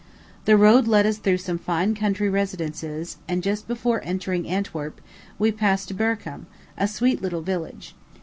The road led us through some fine country residences; and, just before entering Antwerp, we passed Berchem, a sweet little village.